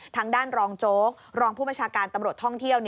ทางด้านรองโจ๊กรองผู้บัญชาการตำรวจท่องเที่ยว